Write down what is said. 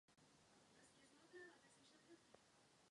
Často je dočasná a téměř vždy vyplývá z aktuálního zdravotního stavu.